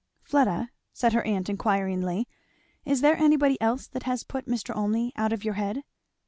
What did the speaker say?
"Fleda," said her aunt inquiringly, "is there anybody else that has put Mr. Olmney out of your head?"